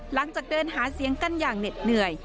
หลังจากเดินหาเสียนกันอย่างเหนียด